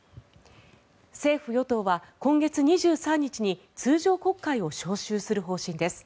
政府・与党は今月２３日に通常国会を召集する方針です。